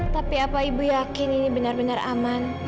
tapi apa ibu yakin ini benar benar aman